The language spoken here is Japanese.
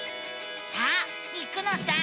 さあ行くのさ！